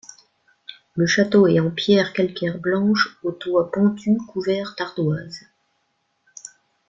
Le château est en pierre calcaire blanche, aux toits pentus couverts d'ardoise.